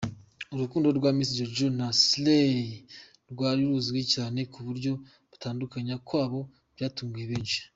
Urukundo rwa Miss Jojo na Saley rwari ruzwi cyane kuburyo gutandukana kwabo byatunguye benshi.